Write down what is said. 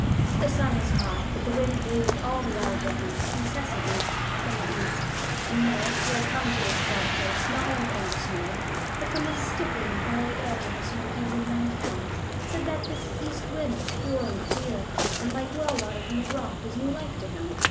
The sun was hot, but the wind breathed all the while gently, incessantly, from the east, and Merritt, who had come to this quiet place, not only from dismay, but from the stifling and oily airs of the smoky Midland town, said that that east wind, pure and clear and like well water from the rock, was new life to him.